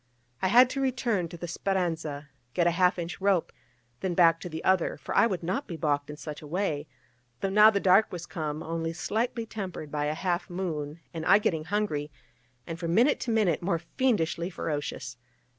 I had to return to the Speranza, get a half inch rope, then back to the other, for I would not be baulked in such a way, though now the dark was come, only slightly tempered by a half moon, and I getting hungry, and from minute to minute more fiendishly ferocious.